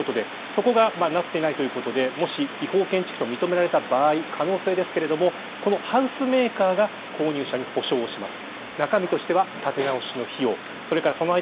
そこがなっていないということでもし違法建築と認められた場合可能性ですが、ハウスメーカーが購入者に補償をします。